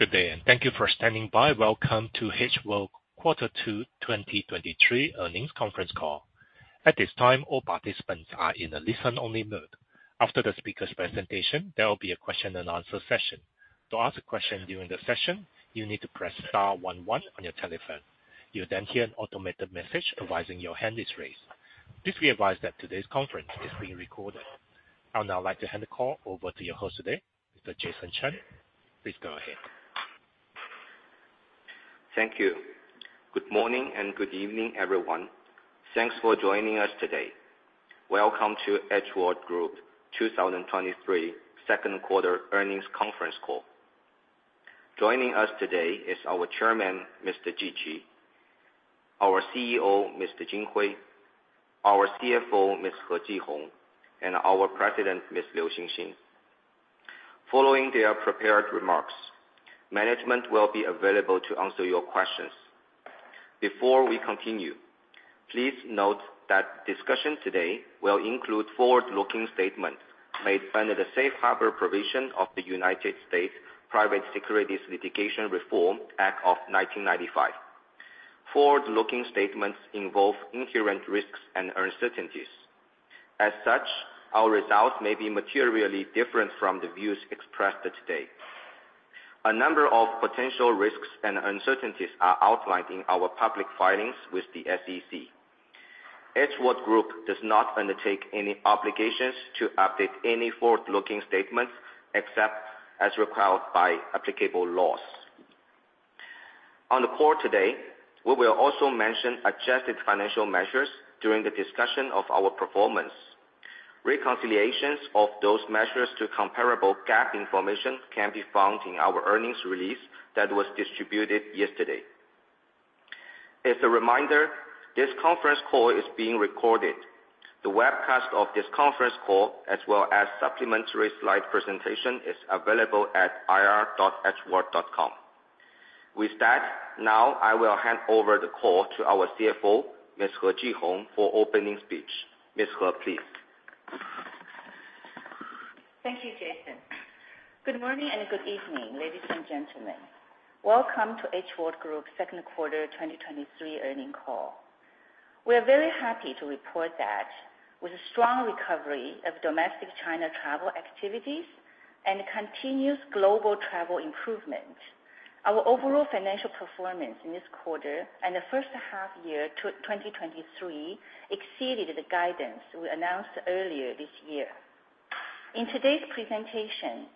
Good day, and thank you for standing by. Welcome to H World Quarter 2 2023 Earnings Conference Call. At this time, all participants are in a listen-only mode. After the speaker's presentation, there will be a question and answer session. To ask a question during the session, you need to press star 1, 1 on your telephone. You'll then hear an automated message advising your hand is raised. Please be advised that today's conference is being recorded. I would now like to hand the call over to your host today, Mr. Jason Chen. Please go ahead. Thank you. Good morning, and good evening, everyone. Thanks for joining us today. Welcome to H World Group 2023 second quarter earnings conference call. Joining us today is our chairman, Mr. Ji Qi, our CEO, Mr. Jin Hui, our CFO, Ms. He Jihong, and our president, Ms. Liu Xinxin. Following their prepared remarks, management will be available to answer your questions. Before we continue, please note that discussion today will include forward-looking statements made under the Safe Harbor provision of the United States Private Securities Litigation Reform Act of 1995. Forward-looking statements involve inherent risks and uncertainties. As such, our results may be materially different from the views expressed today. A number of potential risks and uncertainties are outlined in our public filings with the SEC. H World Group does not undertake any obligations to update any forward-looking statements except as required by applicable laws. On the call today, we will also mention adjusted financial measures during the discussion of our performance. Reconciliations of those measures to comparable GAAP information can be found in our earnings release that was distributed yesterday. As a reminder, this conference call is being recorded. The webcast of this conference call, as well as supplementary slide presentation, is available at ir.hworld.com. With that, now I will hand over the call to our CFO, Ms. He Jihong, for opening speech. Ms. He, please. Thank you, Jason. Good morning, and good evening, ladies and gentlemen. Welcome to H World Group's second quarter 2023 earnings call. We are very happy to report that with a strong recovery of domestic China travel activities and continuous global travel improvement, our overall financial performance in this quarter and the first half year 2023 exceeded the guidance we announced earlier this year. In today's presentation,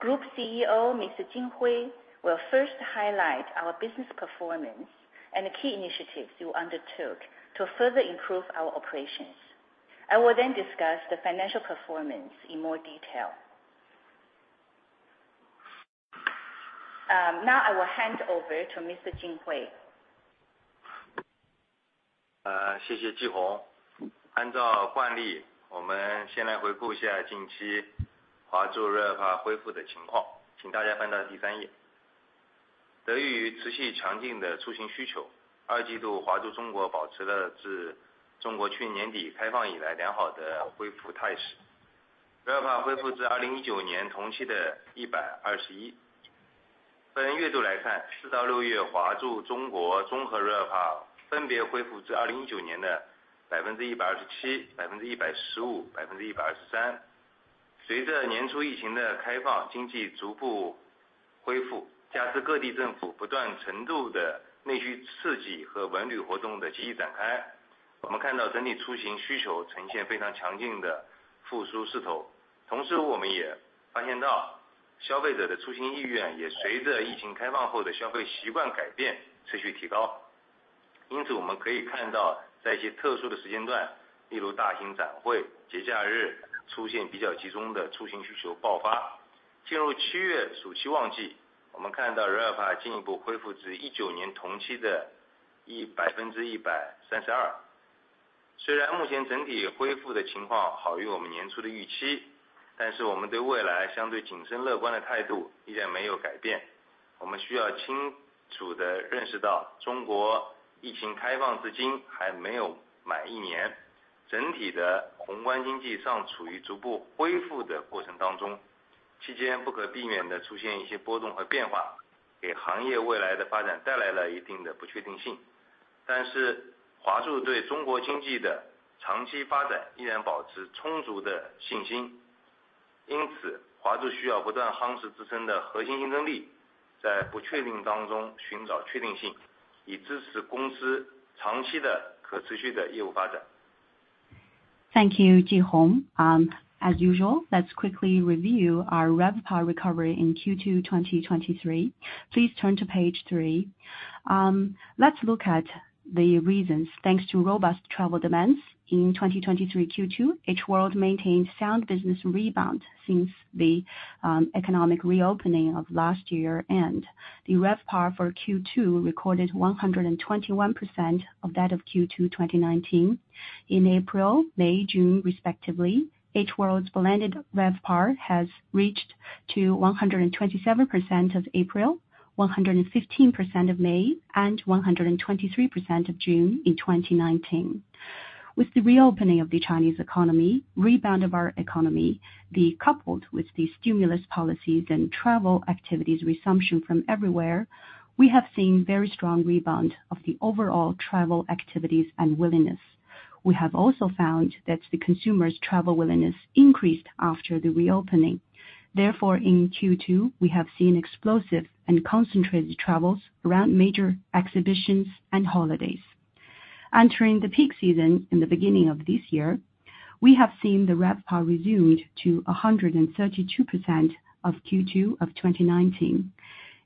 Group CEO, Mr. Jin Hui, will first highlight our business performance and the key initiatives we undertook to further improve our operations. I will then discuss the financial performance in more detail. Now I will hand over to Mr. Jin Hui. Thank you, Jihong. As usual, let's quickly review our RevPAR recovery in Q2 2023. Please turn to page 3. Let's look at the reasons. Thanks to robust travel demands in 2023 Q2, H World maintained sound business rebound since the economic reopening of last year, and the RevPAR for Q2 recorded 121% of that of Q2 2019. In April, May, and June, respectively, H World's blended RevPAR has reached to 127% of April, 115% of May, and 123% of June in 2019. With the reopening of the Chinese economy, rebound of our economy, the coupled with the stimulus policies and travel activities resumption from everywhere, we have seen very strong rebound of the overall travel activities and willingness. We have also found that the consumers' travel willingness increased after the reopening. Therefore, in Q2, we have seen explosive and concentrated travels around major exhibitions and holidays. Entering the peak season in the beginning of this year, we have seen the RevPAR resumed to 132% of Q2 of 2019.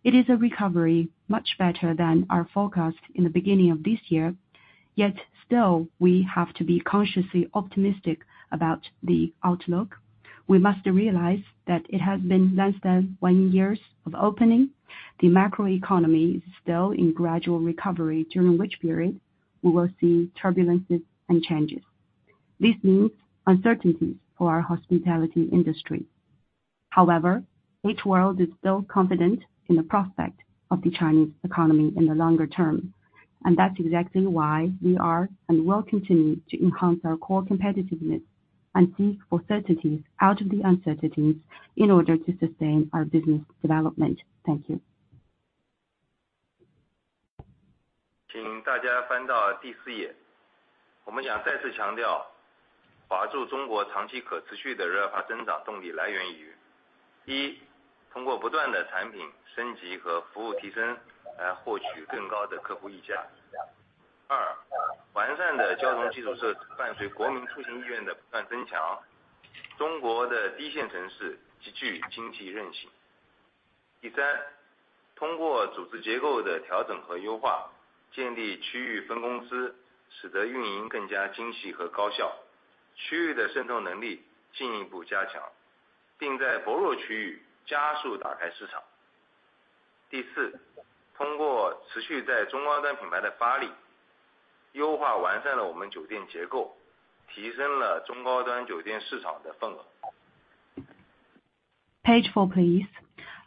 It is a recovery much better than our forecast in the beginning of this year. Yet still, we have to be cautiously optimistic about the outlook. We must realize that it has been less than 1 year of opening. The macroeconomy is still in gradual recovery, during which period we will see turbulences and changes. This means uncertainties for our hospitality industry. However, H World is still confident in the prospect of the Chinese economy in the longer term, and that's exactly why we are and will continue to enhance our core competitiveness and seek certainties out of the uncertainties in order to sustain our business development. Thank you. Please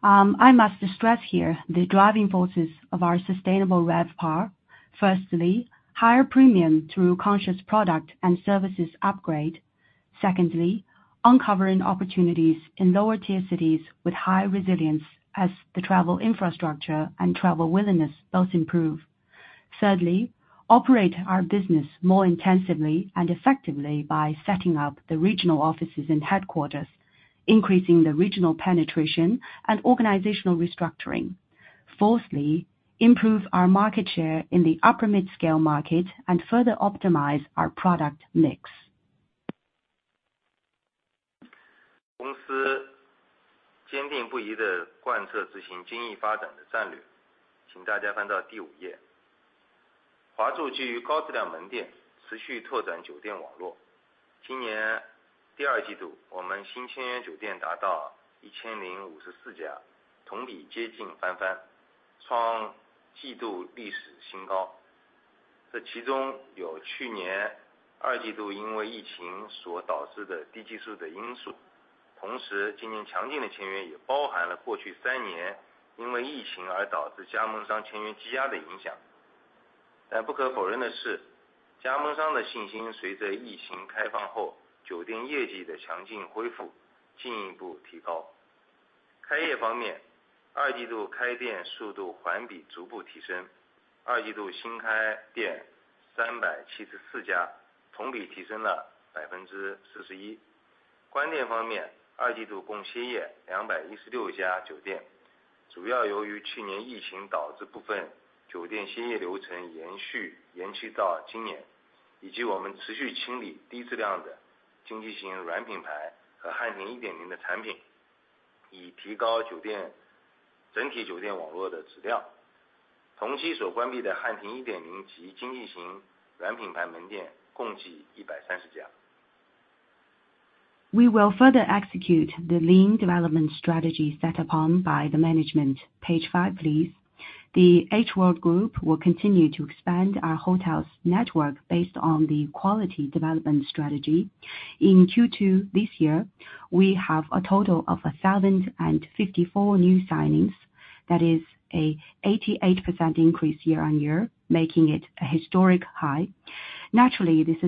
I must stress here the driving forces of our sustainable RevPAR. Firstly, higher premium through conscious product and services upgrade. Secondly, uncovering opportunities in lower-tier cities with high resilience as the travel infrastructure and travel willingness both improve. Thirdly, operate our business more intensively and effectively by setting up the regional offices and headquarters, increasing the regional penetration and organizational restructuring. Fourthly, improve our market share in the upper mid-scale market and further optimize our product mix. The company is firmly committed to the implementation of the lean development strategy. Please turn to page 5. Huazhu continues to expand its hotel network based on a high-quality development strategy. In the second quarter of this year, we signed 1,054 new hotels, an 88% increase year-on-year, achieving a new quarterly high. This includes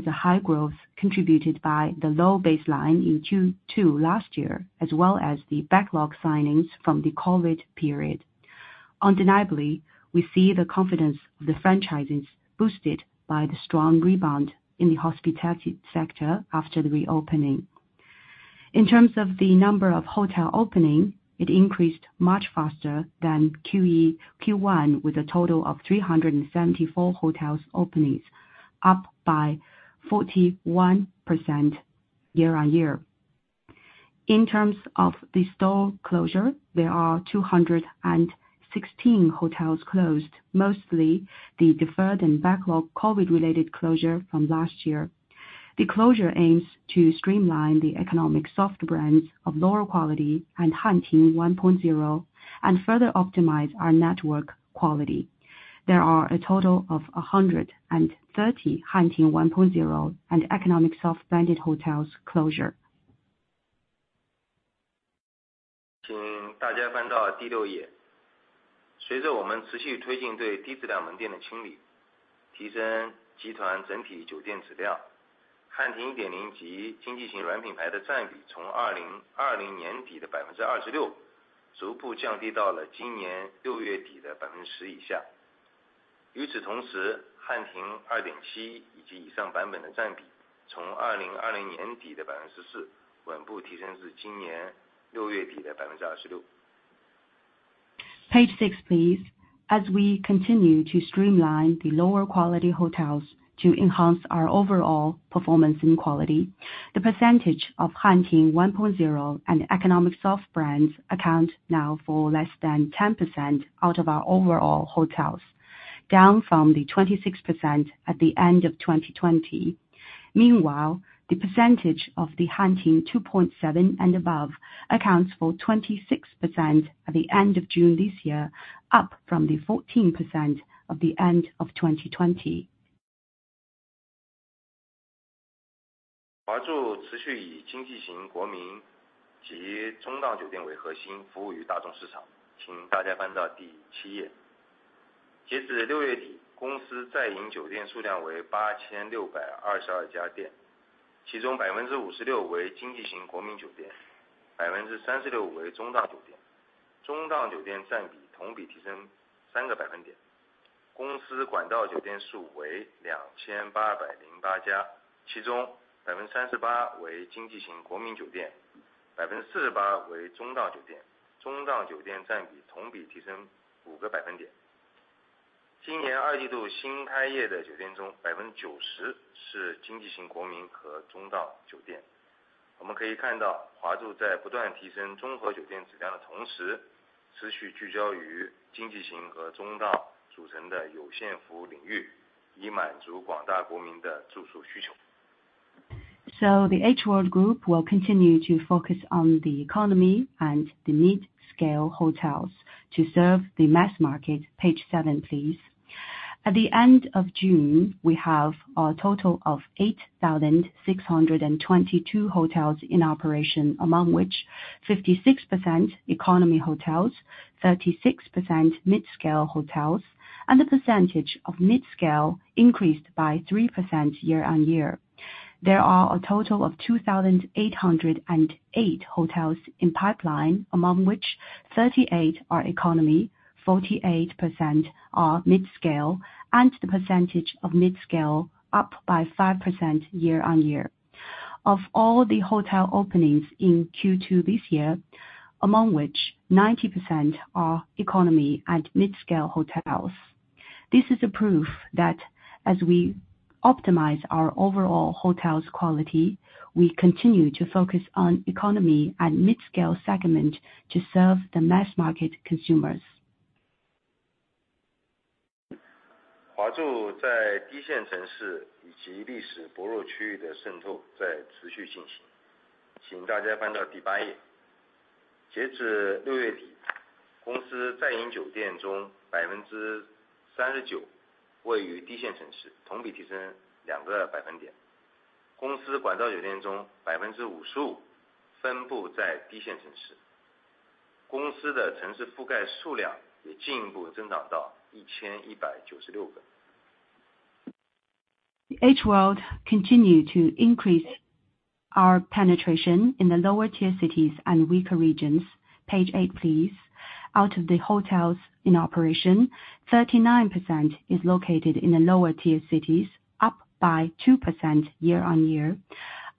the low base effect of the second quarter last year due to the pandemic, as well as the backlog of signings from franchise agreements accumulated over the past three years because of the pandemic. However, it is undeniable that franchisor confidence has been further boosted by the strong recovery in hotel performance since the reopening. In terms of openings, the second quarter saw a gradual increase in the pace of new hotel openings, with a total of 374 hotels opened, an increase of 41% year-on-year. In terms of store closure, there are 216 hotels closed, mostly the deferred and backlog COVID-related closure from last year. The closure aims to streamline the economic soft brands of lower quality and Hanting 1.0, and further optimize our network quality. There are a total of 130 Hanting 1.0 and economic soft branded hotels closure. Page 6, please. As we continue to streamline the lower quality hotels to enhance our overall performance and quality, the percentage of Hanting 1.0 and economic soft brands account now for less than 10% out of our overall hotels, down from the 26% at the end of 2020. Meanwhile, the percentage of the Hanting 2.7 and above accounts for 26% at the end of June this year, up from the 14% of the end of 2020. So, the H World Group will continue to focus on the economy and the mid-scale hotels to serve the mass market. Page 7, please. At the end of June, we have a total of 8,622 hotels in operation, among which 56% economy hotels, 36% mid-scale hotels, and the percentage of mid-scale increased by 3% year-on-year. There are a total of 2,808 hotels in pipeline, among which 38% are economy, 48% are mid-scale, and the percentage of mid-scale up by 5% year-on-year. Of all the hotel openings in Q2 this year, among which 90% are economy and mid-scale hotels. This is a proof that as we optimize our overall hotels quality, we continue to focus on economy and mid-scale segment to serve the mass market consumers. H World continue to increase our penetration in the lower-tier cities and weaker regions. Page 8, please. Out of the hotels in operation, 39% is located in the lower-tier cities, up by 2% year-on-year.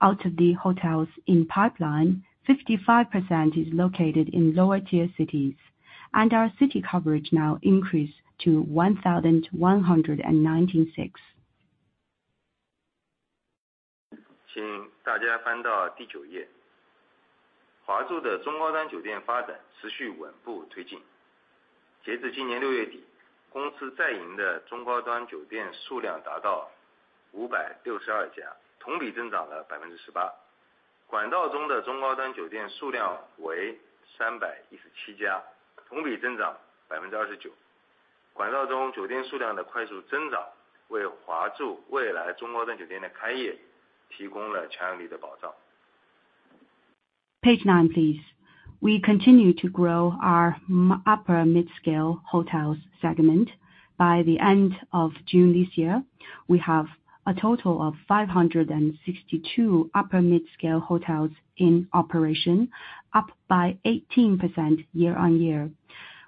Out of the hotels in pipeline, 55% is located in lower-tier cities, and our city coverage now increase to 1,196.。Page 9, please. We continue to grow our upper mid-scale hotels segment. By the end of June this year, we have a total of 562 upper mid-scale hotels in operation, up by 18% year-on-year.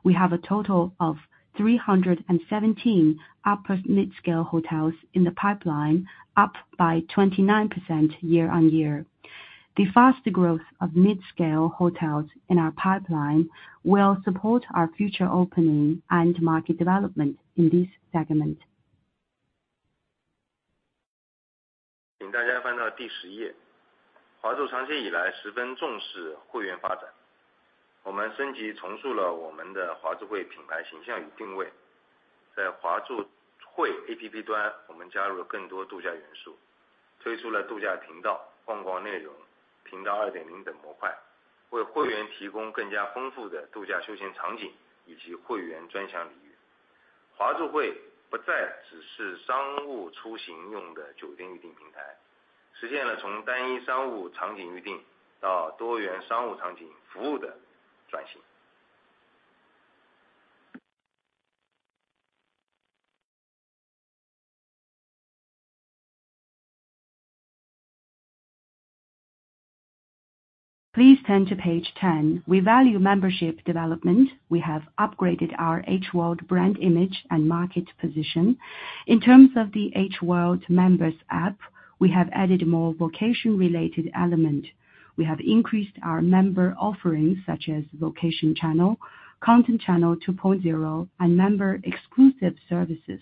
We have a total of 317 upper mid-scale hotels in the pipeline, up by 29% year-on-year. The faster growth of mid-scale hotels in our pipeline will support our future opening and market development in this segment. Please turn to page 10. We value membership development. We have upgraded our H World brand image and market position. In terms of the H World members app, we have added more vacation-related element. We have increased our member offerings, such as vacation channel, content channel 2.0, and member exclusive services.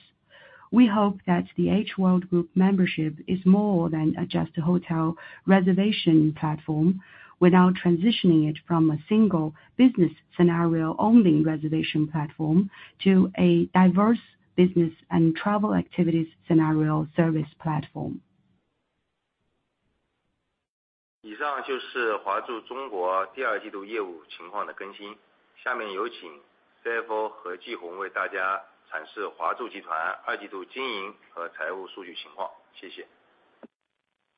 We hope that the H World Group membership is more than just a hotel reservation platform, without transitioning it from a single business scenario-only reservation platform to a diverse business and travel activities scenario service platform.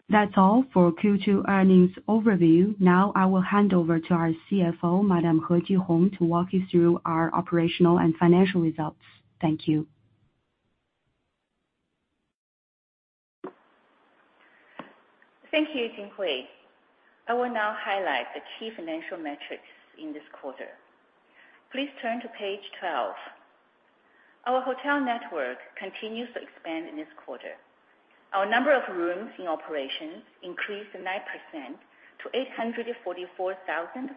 That's all for Q2 earnings overview. Now I will hand over to our CFO, Madam He Jihong, to walk you through our operational and financial results. Thank you. Thank you, Jin Hui. I will now highlight the key financial metrics in this quarter. Please turn to page 12. Our hotel network continues to expand in this quarter. Our number of rooms in operations increased 9% to 844,417.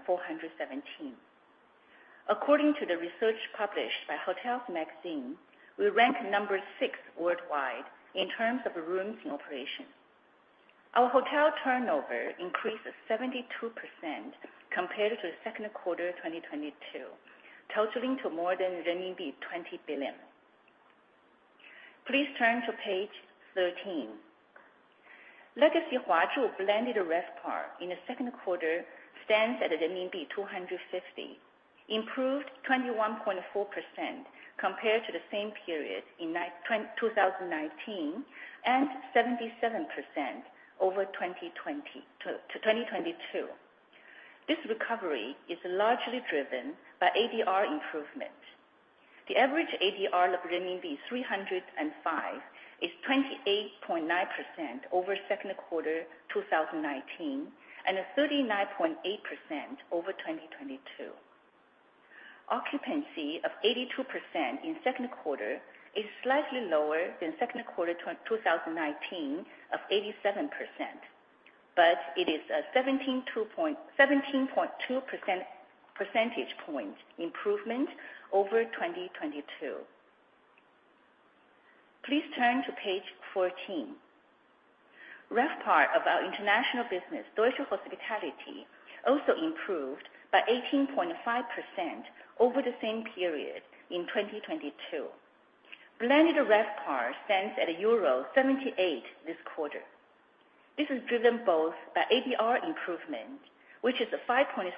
According to the research published by HOTELS Magazine, we rank number 6 worldwide in terms of rooms in operation. Our hotel turnover increased 72% compared to the second quarter of 2022, totaling to more than renminbi 20 billion. Please turn to page 13. Legacy Huazhu blended RevPAR in the second quarter stands at renminbi 250, improved 21.4% compared to the same period in 2019, and 77% over 2022. This recovery is largely driven by ADR improvement. The average ADR of renminbi 305 is 28.9% over second quarter 2019, and a 39.8% over 2022. Occupancy of 82% in second quarter is slightly lower than second quarter 2019 of 87%, but it is a 17.2 percentage point improvement over 2022. Please turn to page 14. RevPAR of our international business, Deutsche Hospitality, also improved by 18.5% over the same period in 2022. Blended RevPAR stands at euro 78 this quarter. This is driven both by ADR improvement, which is a 5.6%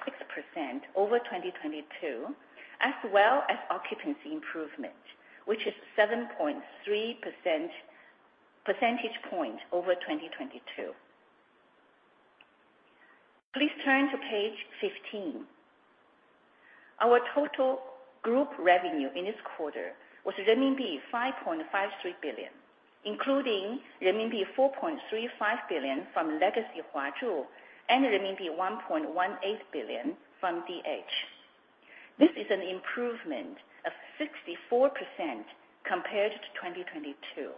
over 2022, as well as occupancy improvement, which is 7.3 percentage point over 2022. Please turn to page 15. Our total group revenue in this quarter was renminbi 5.53 billion, including renminbi 4.35 billion from Legacy Huazhu and renminbi 1.18 billion from DH. This is an improvement of 64% compared to 2022,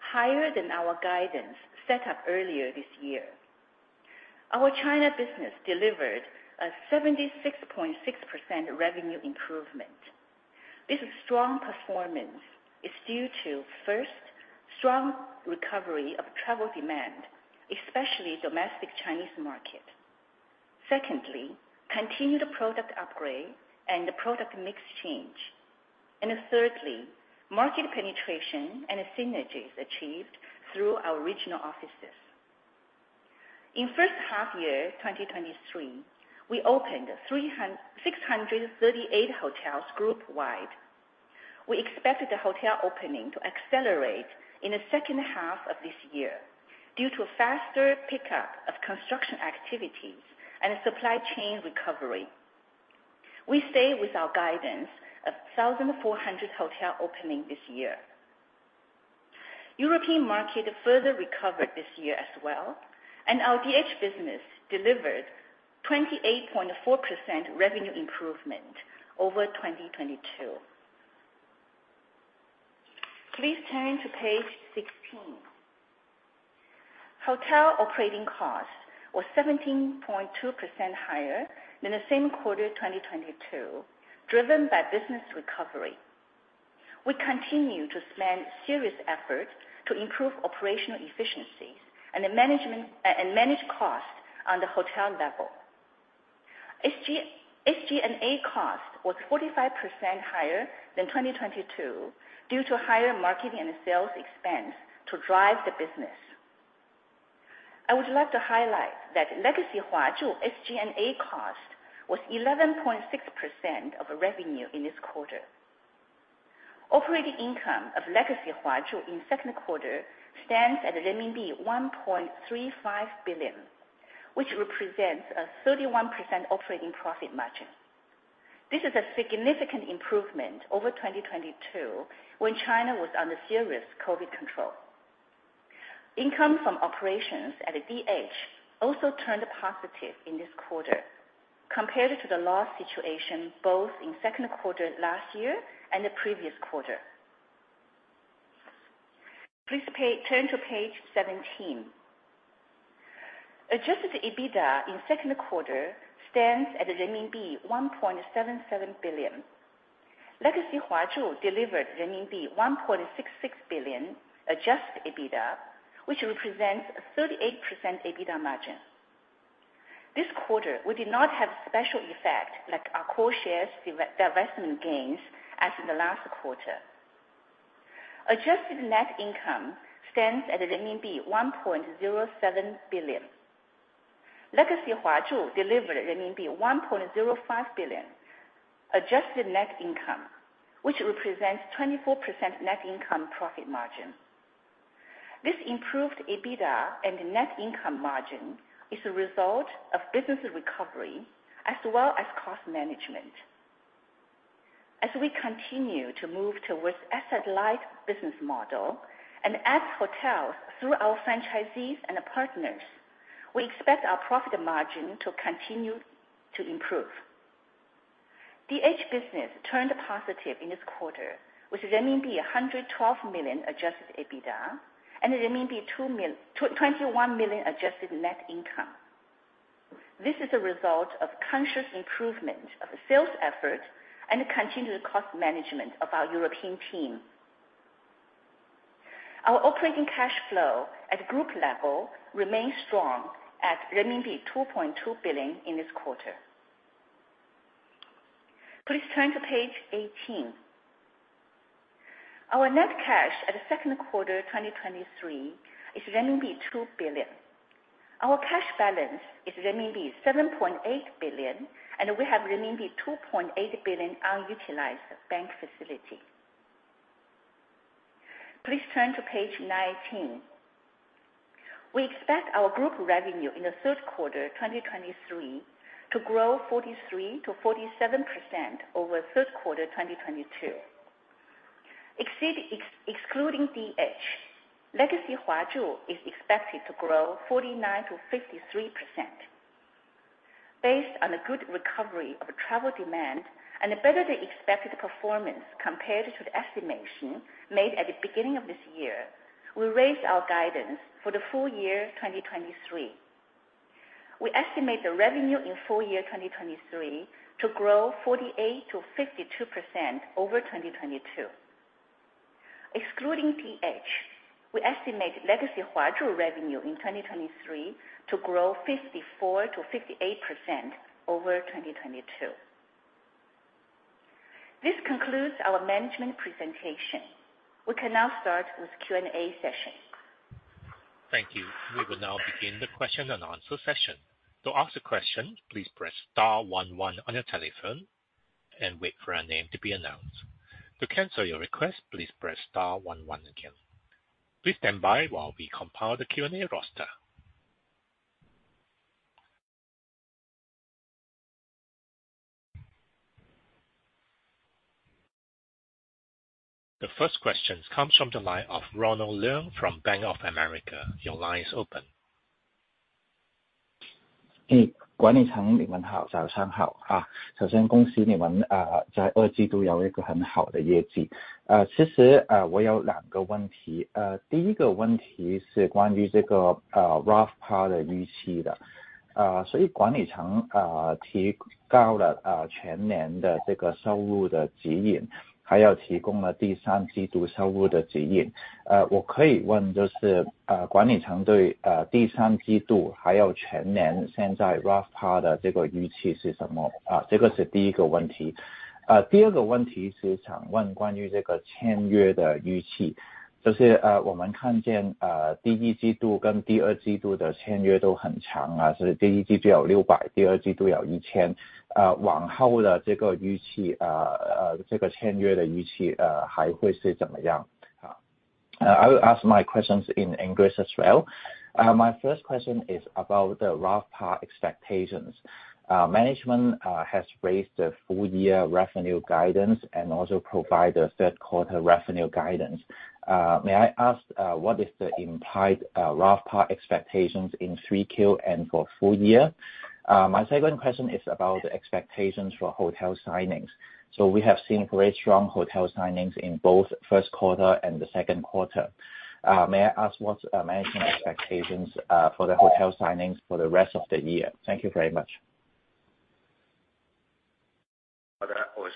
higher than our guidance set up earlier this year. Our China business delivered a 76.6% revenue improvement. This strong performance is due to, first, strong recovery of travel demand, especially domestic Chinese market. Secondly, continued product upgrade and the product mix change. And thirdly, market penetration and synergies achieved through our regional offices. In first half year, 2023, we opened 368 hotels group wide. We expected the hotel opening to accelerate in the second half of this year due to a faster pickup of construction activities and supply chain recovery. We stay with our guidance of 1,400 hotel opening this year. European market further recovered this year as well, and our DH business delivered 28.4% revenue improvement over 2022. Please turn to page 16. Hotel operating costs were 17.2% higher than the same quarter 2022, driven by business recovery. We continue to spend serious effort to improve operational efficiencies and the management and manage costs on the hotel level. SG&A cost was 45% higher than 2022 due to higher marketing and sales expense to drive the business... I would like to highlight that legacy Huazhu SG&A cost was 11.6% of revenue in this quarter. Operating income of legacy Huazhu in second quarter stands at renminbi 1.35 billion, which represents a 31% operating profit margin. This is a significant improvement over 2022, when China was under serious COVID control. Income from operations at DH also turned positive in this quarter compared to the loss situation both in second quarter last year and the previous quarter. Please turn to page 17. Adjusted EBITDA in second quarter stands at renminbi 1.77 billion. Legacy Huazhu delivered renminbi 1.66 billion adjusted EBITDA, which represents a 38% EBITDA margin. This quarter, we did not have special effect, like Accor shares divestment gains, as in the last quarter. Adjusted net income stands at renminbi 1.07 billion. Legacy Huazhu delivered renminbi 1.05 billion adjusted net income, which represents 24% net income profit margin. This improved EBITDA and net income margin is a result of business recovery as well as cost management. As we continue to move towards asset-light business model and add hotels through our franchisees and partners, we expect our profit margin to continue to improve. The DH business turned positive in this quarter with renminbi 112 million adjusted EBITDA and renminbi 21 million adjusted net income. This is a result of conscious improvement of sales effort and continued cost management of our European team. Our operating cash flow at group level remains strong at renminbi 2.2 billion in this quarter. Please turn to page 18. Our net cash at the second quarter, 2023, is renminbi 2 billion. Our cash balance is renminbi 7.8 billion, and we have renminbi 2.8 billion unutilized bank facility. Please turn to page 19. We expect our group revenue in the third quarter 2023 to grow 43%-47% over third quarter 2022. Excluding DH, legacy Huazhu is expected to grow 49%-53%. Based on a good recovery of travel demand and a better than expected performance compared to the estimation made at the beginning of this year, we raised our guidance for the full year 2023. We estimate the revenue in full year 2023 to grow 48%-52% over 2022. Excluding DH, we estimate legacy Huazhu revenue in 2023 to grow 54%-58% over 2022. This concludes our management presentation. We can now start with Q&A session. Thank you. We will now begin the question and answer session. To ask a question, please press star 1, 1 on your telephone and wait for your name to be announced. To cancel your request, please press star 1, 1 again. Please stand by while we compile the Q&A roster. The first question comes from the line of Ronald Leung from Bank of America. Your line is open. Hey, I will ask my questions in English as well. My first question is about the RevPAR expectations. Management has raised the full year revenue guidance and also provided the third quarter revenue guidance. May I ask what is the implied RevPAR expectations in three Q and for full year? My second question is about the expectations for hotel signings. So we have seen very strong hotel signings in both first quarter and the second quarter. May I ask what are management expectations for the hotel signings for the rest of the year? Thank you very much. Hi, there.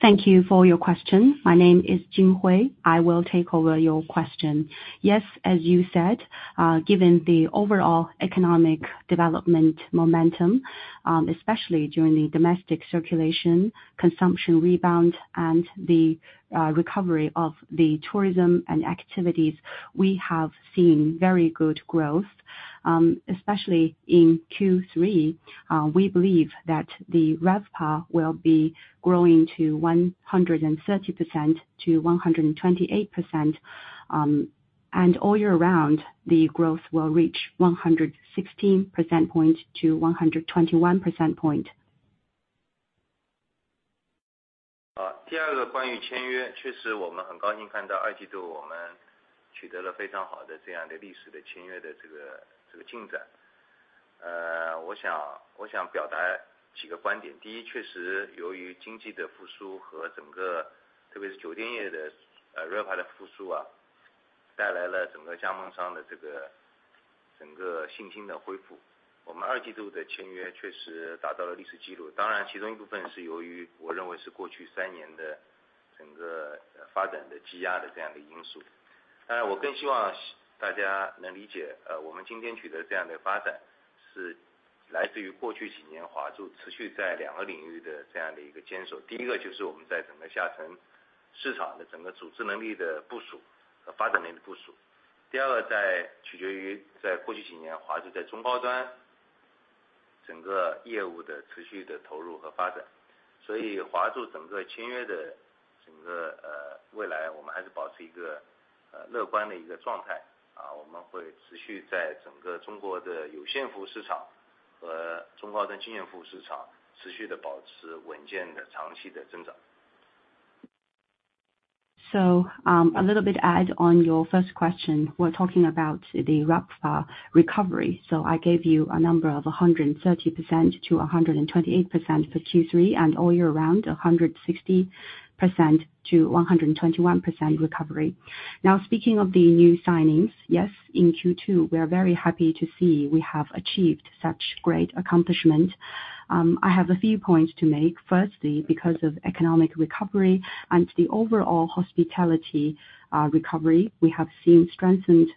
Thank you for your question. My name is Jin Hui. I will take over your question. Yes, as you said, given the overall economic development momentum, especially during the domestic circulation, consumption rebound and the recovery of the tourism and activities, we have seen very good growth, especially in Q3. We believe that the RevPAR will be growing 130%-128%. And all year round, the growth will reach 116%-121%. So, a little bit add on your first question. We're talking about the RevPAR recovery. So I gave you a number of 130% to 128% for Q3, and all year round, 160% to 121% recovery. Now, speaking of the new signings, yes, in Q2, we are very happy to see we have achieved such great accomplishment. I have a few points to make. Firstly, because of economic recovery and the overall hospitality recovery, we have seen strengthened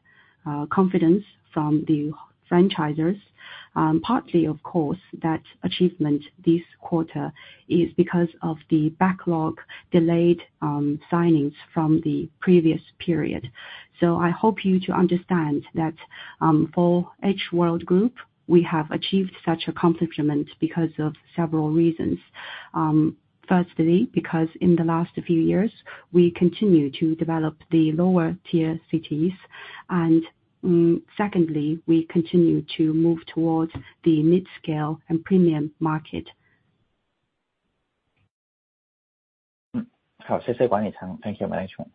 confidence from the franchisees. Partly, of course, that achievement this quarter is because of the backlog delayed signings from the previous period. So I hope you to understand that, for H World Group, we have achieved such accomplishment because of several reasons. Firstly, because in the last few years, we continue to develop the lower-tier cities. And, secondly, we continue to move towards the mid-scale and premium market. 好，谢谢管理层。Thank you management.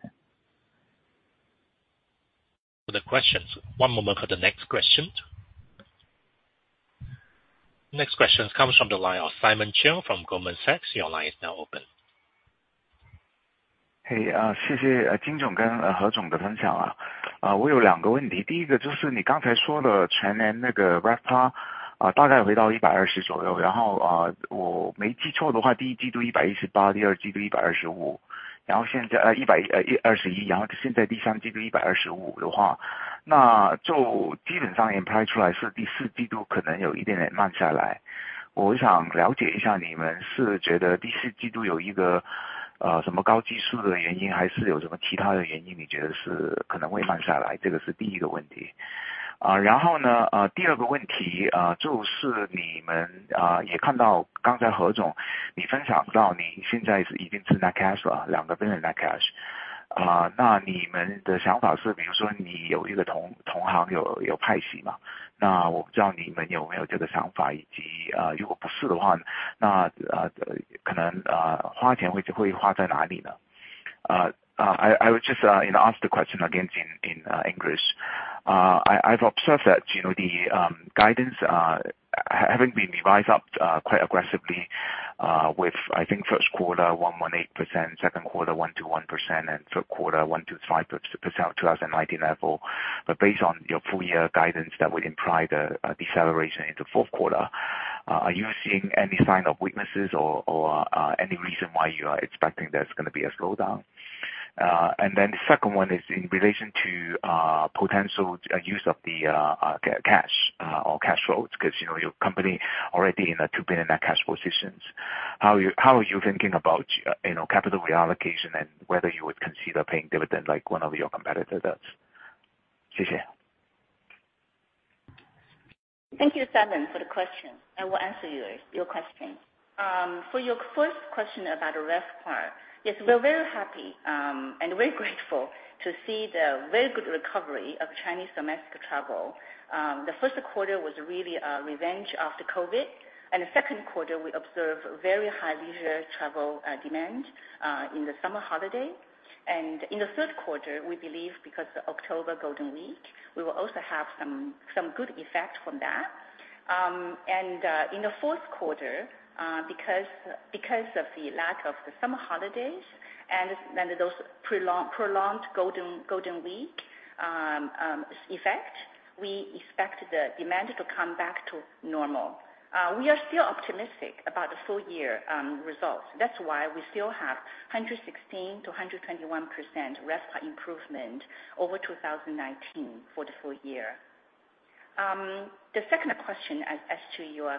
For the questions. One moment for the next question. Next question comes from the line of Simon Cheung from Goldman Sachs. Your line is now open. 嘿，谢谢金总和何总的分享啊。我有两个问题，第一个就是你刚才说的全年那个RevPAR，大概回到CNY 120左右，然后，我没记错的话，第一季度CNY 118，第二季度CNY 125，然后现在，CNY 100... 121，然后现在第三季度125的话，那就基本上也推算出来是第四季度可能会有一点点慢下来。我想了解一下，你们是觉得第四季度有一个，什么高基数的原因，还是有什么其他的原 200 million的net cash，那你们的想 法是，比如说有一个同行，有派息嘛，那我不知道你们有没有这个想法，以及，如果不是的话，那，可能，花钱就会花在哪里呢？ I would just, you know, ask the question again in English. I've observed that, you know, the guidance haven't been revised up quite aggressively, with, I think first quarter 1.8%, second quarter 1%-1%, and third quarter 1%-5% 2019 level. But based on your full year guidance that would imply the deceleration into fourth quarter, are you seeing any sign of weaknesses or any reason why you are expecting there's gonna be a slowdown? And then the second one is in relation to potential use of the cash or cash flows, because, you know, your company already in a $2 billion net cash positions. How are you thinking about, you know, capital reallocation and whether you would consider paying dividends like one of your competitor does? 谢谢。Thank you, Simon, for the question. I will answer your question. For your first question about RevPAR, yes, we're very happy and very grateful to see the very good recovery of Chinese domestic travel. The first quarter was really a revenge after COVID, and the second quarter, we observed very high leisure travel demand in the summer holiday. And in the third quarter, we believe because the October Golden Week. will also have some good effect from that. And in the fourth quarter, because of the lack of the summer holidays and those prolonged Golden Week effect, we expect the demand to come back to normal. We are still optimistic about the full year results. That's why we still have 116%-121% RevPAR improvement over 2019 for the full year. The second question as to your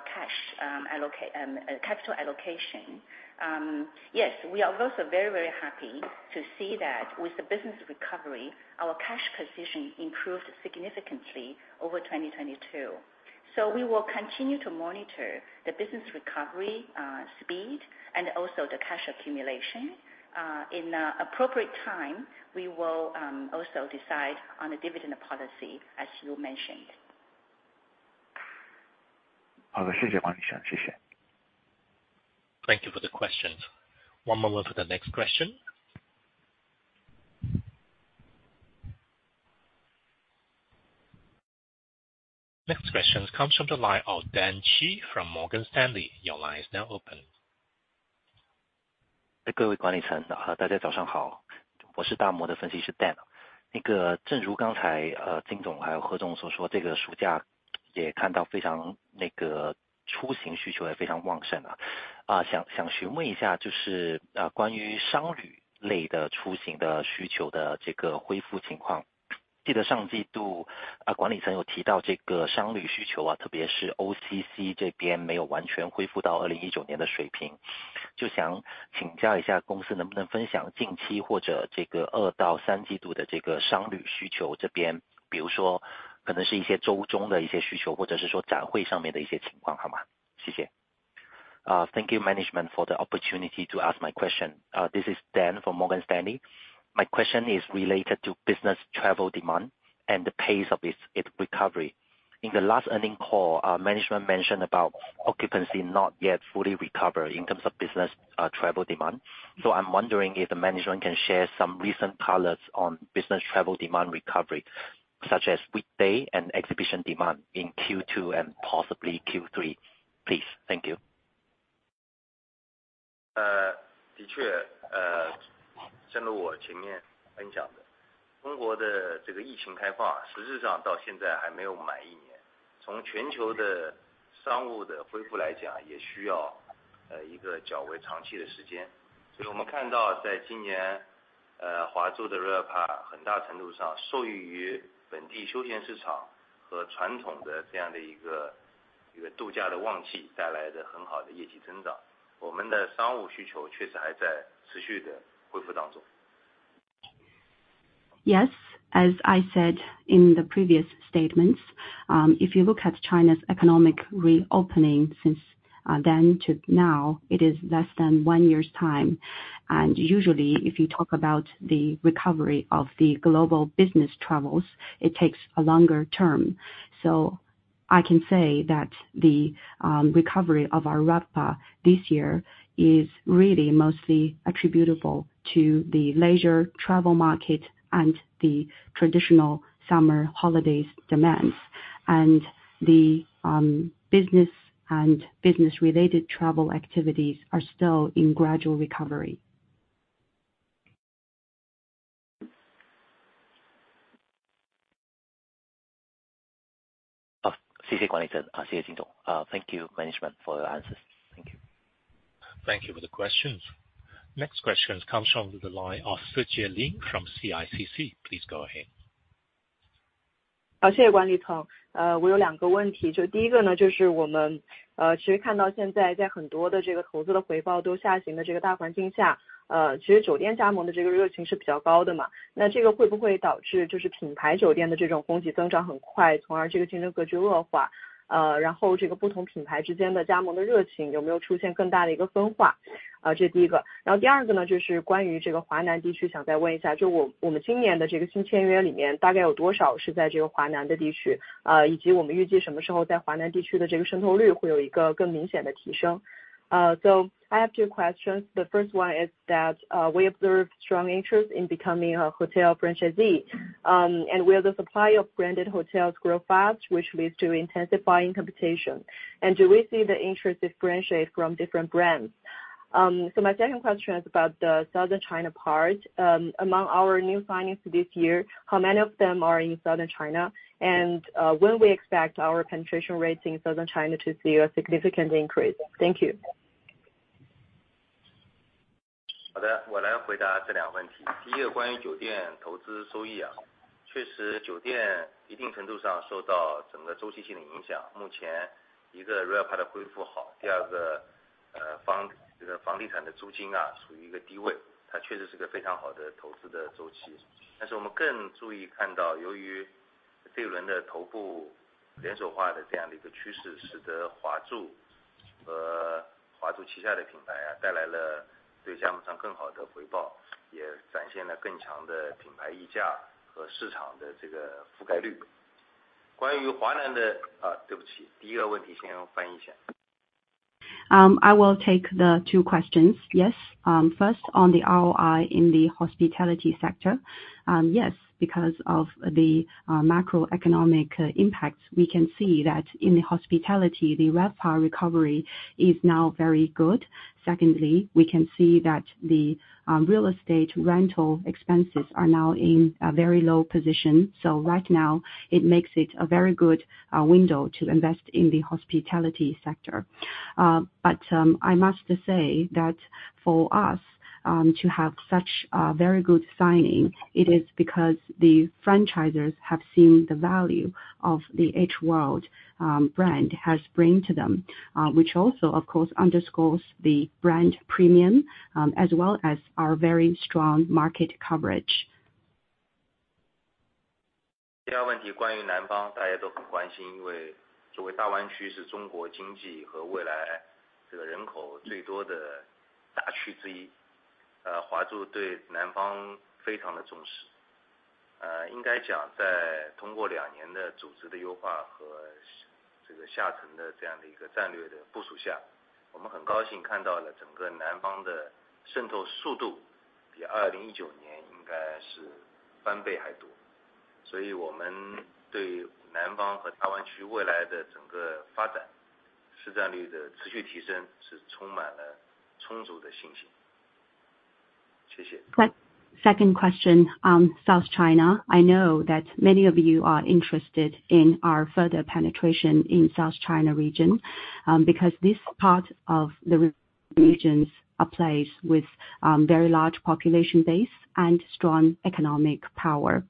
capital allocation. Yes, we are also very happy to see that with the business recovery, our cash position improved significantly over 2022. So we will continue to monitor the business recovery speed, and also the cash accumulation. In appropriate time, we will also decide on the dividend policy, as you mentioned. 谢谢，管理层，谢谢。Thank you for the questions. One moment for the next question. Next question comes from the line of Dan Chi from Morgan Stanley. Your line is now open. 各位管理层，大家早上好，我是大摩的分析师，Dan Chi。那个正如刚才，金总还有何总所说，这个暑假也看到非常，那个出行需求也非常旺盛啊。啊，想询问一下，就是，关于商旅类的出行的需求的这个恢复情况。记得上季度，啊，管理层有提到这个商旅需求啊，特别是OCC这边没有完全恢复到2019年的水平。就想请教一下公司能不能分享近期或者这个二到三季度的这个商旅需求这边，比如说可能是一些周中的一些需求，或者是说展会上面的情况，好吗？谢谢。Thank you, management, for the opportunity to ask my question. This is Dan from Morgan Stanley. My question is related to business travel demand and the pace of its, its recovery. In the last earnings call, management mentioned about occupancy not yet fully recovered in terms of business travel demand. So I'm wondering if the management can share some recent colors on business travel demand recovery, such as weekday and exhibition demand in Q2 and possibly Q3, please. Thank you. 的确，正如我前面分享的，中国的这个疫情开放，实质上到现在还没有满一年。从全球的商务的恢复来讲，也需要一个较为长期的时间。所以我们看到在今年，华住的RevPAR很大程度上受益于本地休闲市场和传统的这样的一个度假的旺季带来的很好的业绩增长，我们的商务需求确实还在持续地恢复当中。Yes, as I said in the previous statements, if you look at China's economic reopening since then to now, it is less than one year's time. And usually, if you talk about the recovery of the global business travels, it takes a longer term. So I can say that the recovery of our RevPAR this year is really mostly attributable to the leisure travel market and the traditional summer holidays demands. And the business and business-related travel activities are still in gradual recovery. 好，谢谢管理层，谢谢金总。Thank you, management, for your answers. Thank you. Thank you for the questions. Next question comes from the line of Sijie Lin from CICC. Please go ahead. 好，谢谢管理层。呃，我有两个问题，就第一个呢，就是我们... 其实，看到现在在很多的投资回报都下行的大环境下，其实酒店加盟的热情是比较高的嘛，那这个会不会导致品牌酒店的供给增长很快，从而竞争格局恶化，然后不同品牌之间的加盟热情有没有出现更大的分化？这是第一个。然后第二个呢，就是关于华南地区，想再问一下，我们今年的新签约里面，大概有多少是在华南地区？以及我们预计什么时候在华南地区的渗透率会有一个更明显的提升。So, I have two questions. The first one is that we observed strong interest in becoming a hotel franchisee, and will the supply of branded hotels grow fast, which leads to intensifying competition? And do we see the interest differentiate from different brands? So my second question is about the South China part. Among our new signings this year, how many of them are in South China? And when we expect our penetration rate in South China to see a significant increase? Thank you. I will take the two questions. Yes. First, on the ROI in the hospitality sector. Yes, because of the macroeconomic impacts, we can see that in the hospitality, the RevPAR recovery is now very good. Secondly, we can see that the real estate rental expenses are now in a very low position, so right now it makes it a very good window to invest in the hospitality sector. But, I must say that for us, to have such very good signing, it is because the franchisers have seen the value of the H World brand has bring to them, which also of course underscores the brand premium, as well as our very strong market coverage. Second question, South China. I know that many of you are interested in our further penetration in South China region, because this part of the regions are place with, very large population base and strong economic power.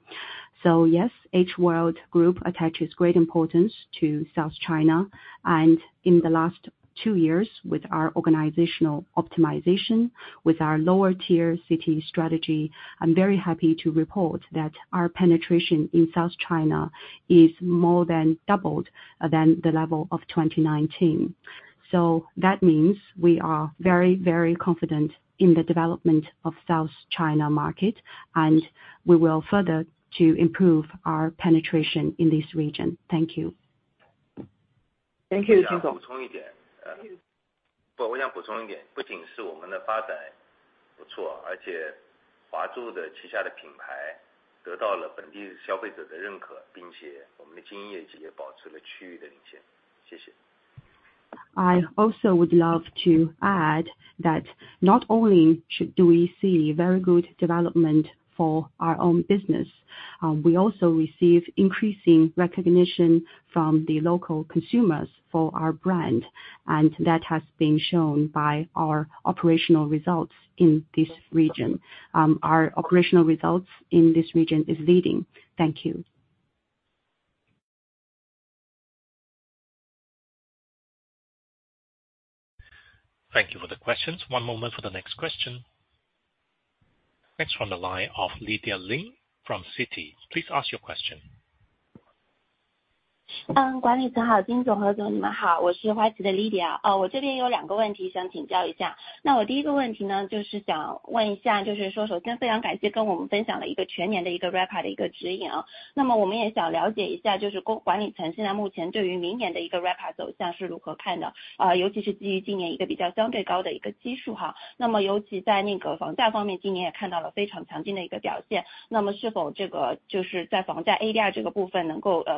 So yes, H World Group attaches great importance to South China, and in the last two years, with our organizational optimization, with our lower-tier city strategy, I'm very happy to report that our penetration in South China is more than doubled than the level of 2019. So that means we are very, very confident in the development of South China market, and we will further to improve our penetration in this region. Thank you. Thank you, Jin Hui. 我想补充一点，不，我想补充一点，不仅是我们的发展不错，而且华住的旗下的品牌得到了本地消费者的认可，并且我们的经营业绩也保持了区域的领先。谢谢。I also would love to add that not only do we see very good development for our own business, we also receive increasing recognition from the local consumers for our brand, and that has been shown by our operational results in this region. Our operational results in this region is leading. Thank you. Thank you for the questions. One moment for the next question. Next from the line of Lydia Li from Citi. Please ask your question. Hello, management. Mr. Jin, Ms.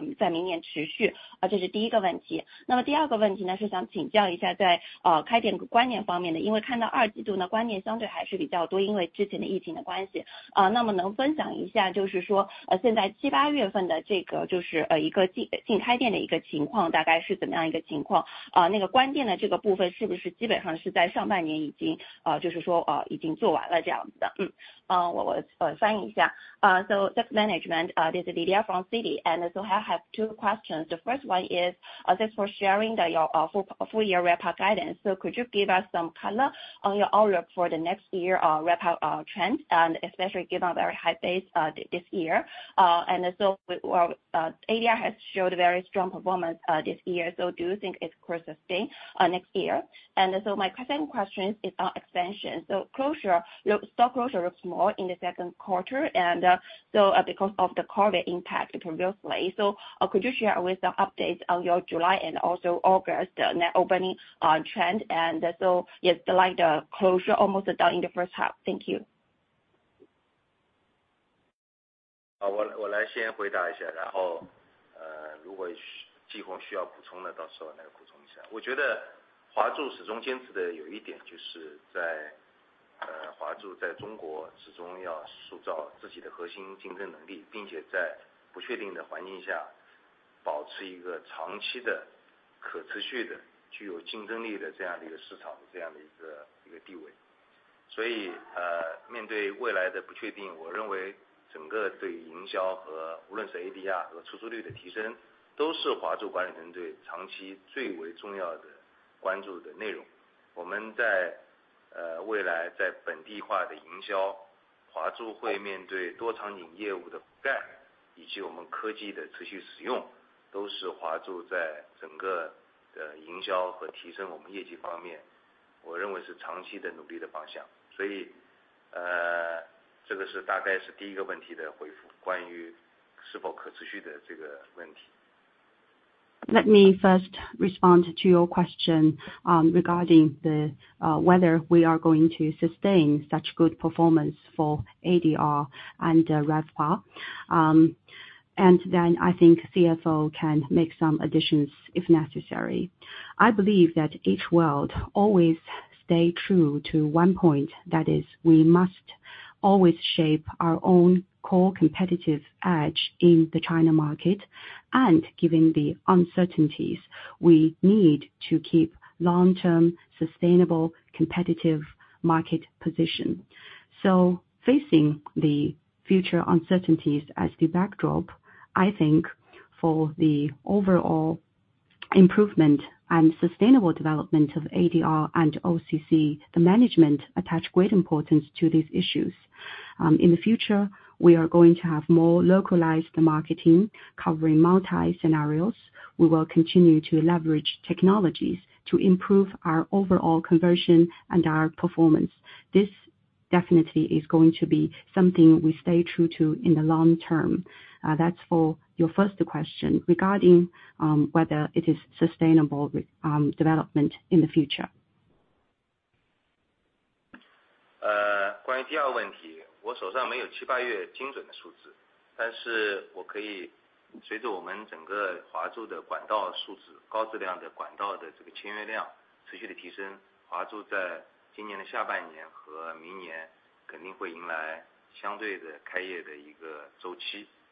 He, hello. This is Lydia from Wall Street. I have two questions to ask. My first question is, first of all, thank you very much for sharing the full-year RevPAR guidance with us. So we would like to understand how management currently views the RevPAR trend for next year, especially based on the relatively high base this year. Then especially in the room rate aspect, we saw a very strong performance this year, so can the ADR part continue next year? That is the first question. Then the second question is to ask about the opening and closing stores aspect, because we saw that in Q2, closures were relatively many due to the previous epidemic relationship. So can you share, that is, the net opening situation in July and August now, roughly what kind of situation is it? Is that closure part basically already completed in the first half? I translate. My second question is on expansion, so closure, store closure small in the second quarter, and, so, because of the COVID impact previously, so, could you share with the updates on your July and also August net opening trend? Yes, the like the closure almost done in the first half? Thank you. 我认为 是长期的努力的方向，所以，这个大概是第一个问题的回复，关于是否可持续的这个问题。Let me first respond to your question regarding whether we are going to sustain such good performance for ADR and RevPAR. And then I think CFO can make some additions if necessary. I believe that H World always stay true to one point. That is, we must always shape our own core competitive edge in the China market, and giving the uncertainties, we need to keep long-term, sustainable, competitive market position. So facing the future uncertainties as the backdrop, I think for the overall improvement and sustainable development of ADR and OCC, the management attach great importance to these issues. In the future, we are going to have more localized marketing covering multi scenarios. We will continue to leverage technologies to improve our overall conversion and our performance. This definitely is going to be something we stay true to in the long term. That's for your first question regarding whether it is sustainable development in the future. 关于第二个问题，我手上没有七、八月精准的数字，但是我可以随着我们整个华住的管道数字，高质量的管道的这个签约量持续的提升，华住在今年的下半年和明年肯定会迎来相对的开业的一个周期。因为大家都知道，我们的筹开时间大概差不多有一个半年以上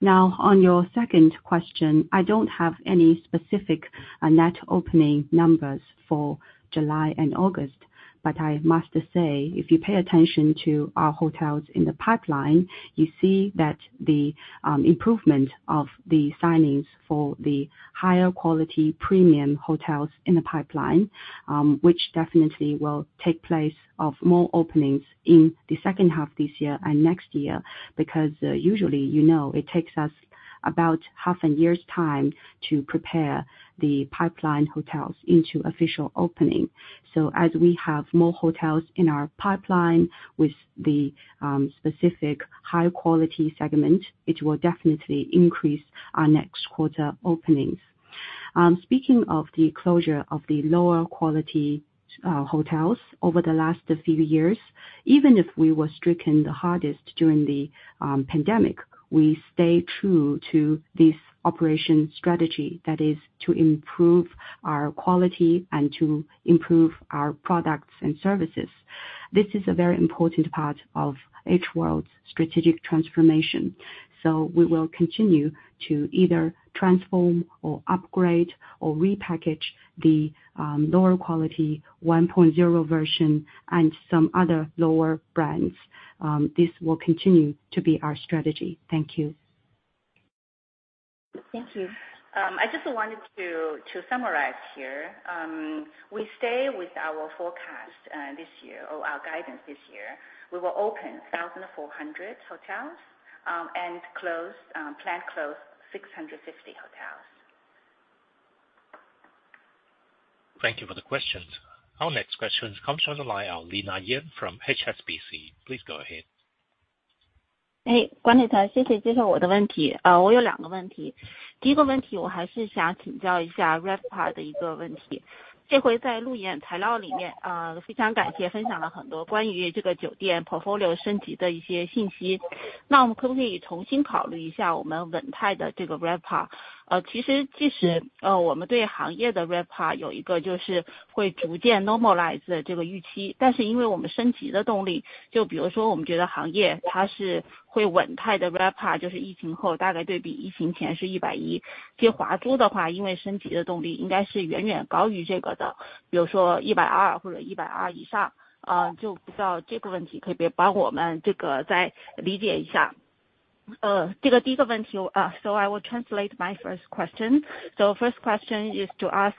Now, on your second question, I don't have any specific net opening numbers for July and August, but I must say, if you pay attention to our hotels in the pipeline, you see that the improvement of the signings for the higher quality premium hotels in the pipeline, which definitely will take place of more openings in the second half this year and next year. Because usually, you know, it takes us about half a year's time to prepare the pipeline hotels into official opening. So as we have more hotels in our pipeline with the specific high quality segment, it will definitely increase our next quarter openings. Speaking of the closure of the lower quality hotels over the last few years, even if we were stricken the hardest during the pandemic, we stay true to this operation strategy. That is to improve our quality and to improve our products and services. This is a very important part of H World's strategic transformation. So we will continue to either transform or upgrade or repackage the, lower quality 1.0 version and some other lower brands. This will continue to be our strategy. Thank you. Thank you. I just wanted to, to summarize here. We stay with our forecast this year or our guidance this year. We will open 1,400 hotels, and close, plan to close 650 hotels. Thank you for the questions. Our next question comes from the line of Lina Yan from HSBC. Please go ahead. So I will translate my first question. So first question is to ask,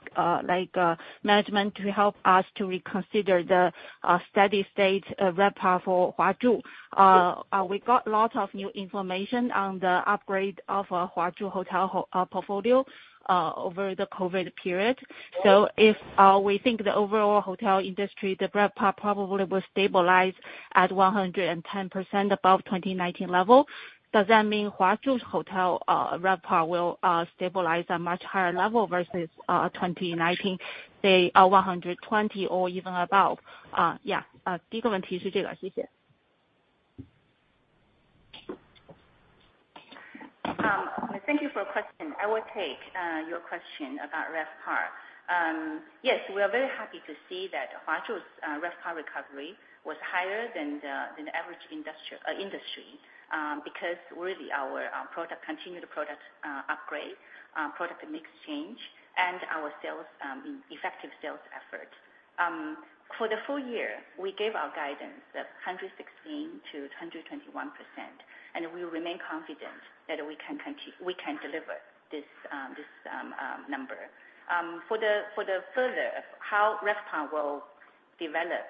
like, management to help us to reconsider the, steady state, RevPAR for Huazhu. We got a lot of new information on the upgrade of, Huazhu hotel portfolio, over the COVID period. So if, we think the overall hotel industry, the RevPAR probably will stabilize at 110% above 2019 level, does that mean Huazhu's hotel, RevPAR will, stabilize at a much higher level versus, 2019, say, 120 or even above? Yeah, 第一个问题是这 个， 谢谢。Thank you for your question. I will take your question about RevPAR. Yes, we are very happy to see that Huazhu's RevPAR recovery was higher than the average industry, because really our continued product upgrade, product mix change, and our effective sales effort. For the full year, we gave our guidance of 116%-121%, and we remain confident that we can continue-- we can deliver this number. For the future, how RevPAR will develop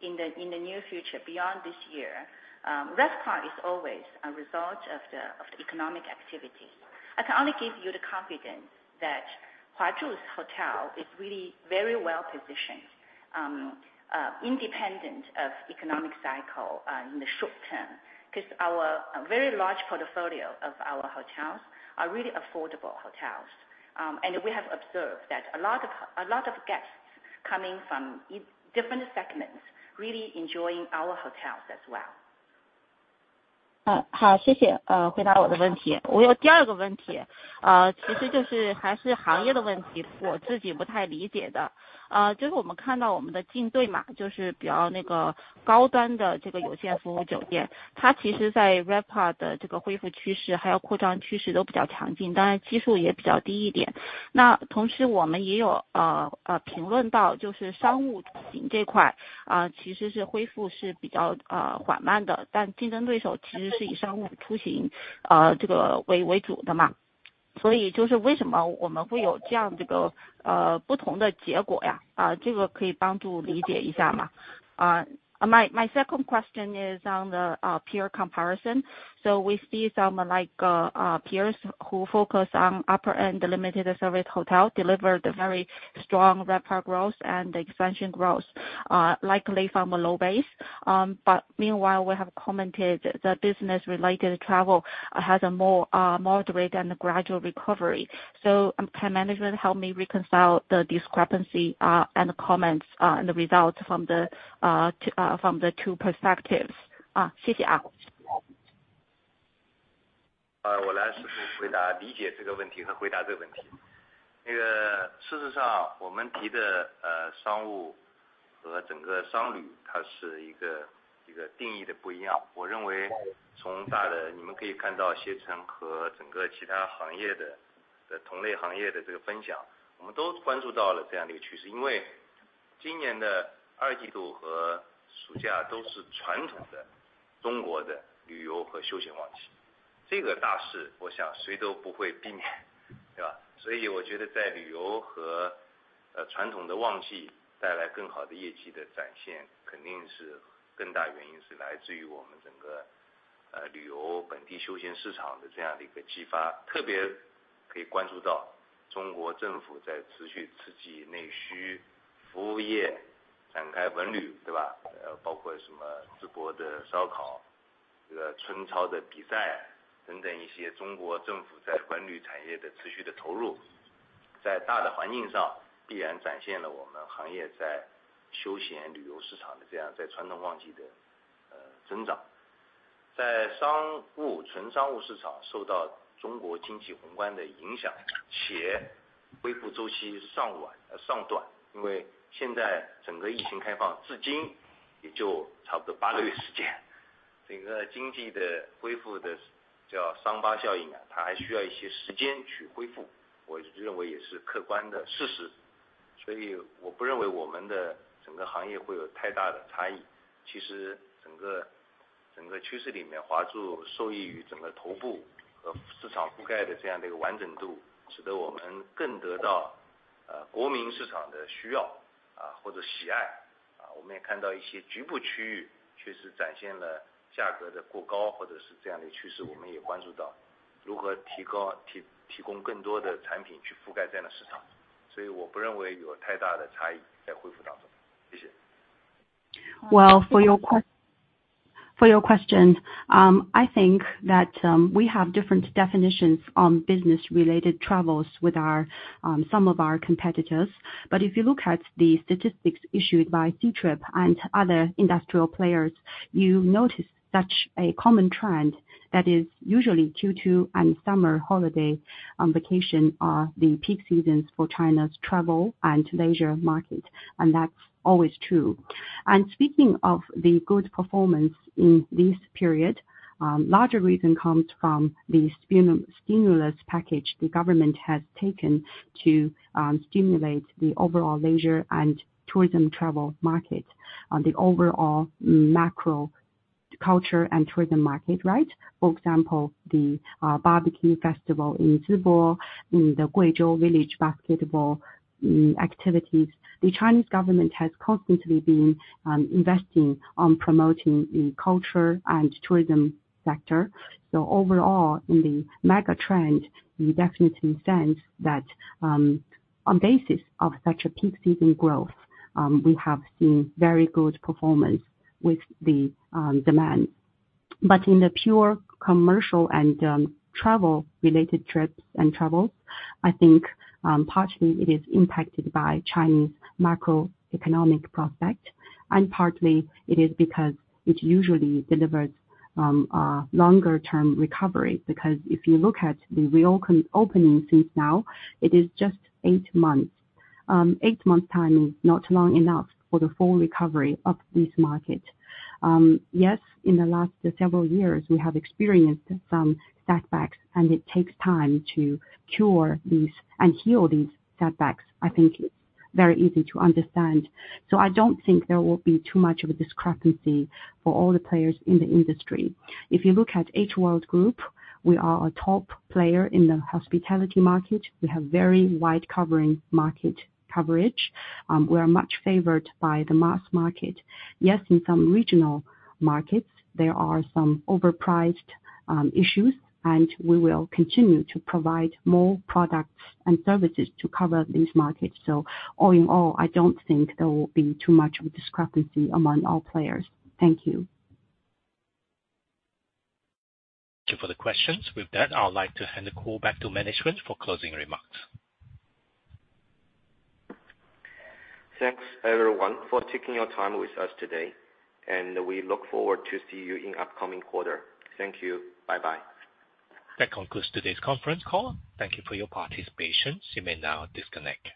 in the near future beyond this year, RevPAR is always a result of the economic activity. I can only give you the confidence that Huazhu's Hotel is really very well positioned, independent of economic cycle, in the short term, because our, a very large portfolio of our hotels are really affordable hotels. And we have observed that a lot of, a lot of guests coming from different segments, really enjoying our hotels as well. My second question is on the peer comparison. So we see some like peers who focus on upper-end limited service hotel delivered a very strong RevPAR growth and expansion growth, likely from a low base. But meanwhile, we have commented the business-related travel has a more moderate and gradual recovery. So, can management help me reconcile the discrepancy, and the comments, and the results from the two perspectives? Xie xie. Well, for your question, I think that, we have different definitions on business-related travels with our, some of our competitors. But if you look at the statistics issued by Ctrip and other industrial players, you notice such a common trend that is usually Q2 and summer holiday, vacation, are the peak seasons for China's travel and leisure market, and that's always true. And speaking of the good performance in this period, larger reason comes from the stimulus package the government has taken to, stimulate the overall leisure and tourism travel market, on the overall macro culture and tourism market, right? For example, the, barbecue festival in Zibo, in the Guizhou village, basketball, activities. The Chinese government has constantly been, investing on promoting the culture and tourism sector. So overall, in the mega trend, you definitely sense that, on basis of such a peak season growth, we have seen very good performance with the demand. But in the pure commercial and travel-related trips and travels, I think, partially it is impacted by Chinese macroeconomic prospect, and partly it is because it usually delivers a longer-term recovery. Because if you look at the reopening since now, it is just eight months. Eight months' time is not long enough for the full recovery of this market. Yes, in the last several years, we have experienced some setbacks, and it takes time to cure these and heal these setbacks. I think it's very easy to understand. So I don't think there will be too much of a discrepancy for all the players in the industry. If you look at H World Group, we are a top player in the hospitality market. We have very wide covering market coverage. We are much favored by the mass market. Yes, in some regional markets, there are some overpriced issues, and we will continue to provide more products and services to cover these markets. So all in all, I don't think there will be too much of a discrepancy among all players. Thank you. Thank you for the questions. With that, I would like to hand the call back to management for closing remarks. Thanks, everyone, for taking your time with us today, and we look forward to see you in upcoming quarter. Thank you. Bye-bye. That concludes today's conference call. Thank you for your participation. You may now disconnect.